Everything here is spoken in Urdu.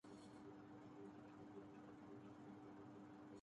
کیا آپ شادی شدہ ہو